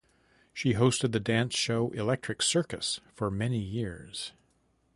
She hosted the dance show Electric Circus for many years.